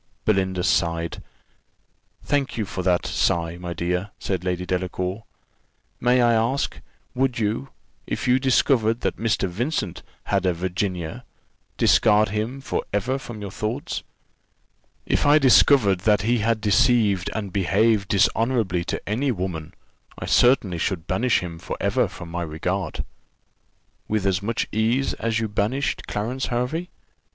Belinda sighed. "Thank you for that sigh, my dear," said Lady Delacour. "May I ask, would you, if you discovered that Mr. Vincent had a Virginia, discard him for ever from your thoughts?" "If I discovered that he had deceived and behaved dishonourably to any woman, I certainly should banish him for ever from my regard." "With as much ease as you banished Clarence Hervey?"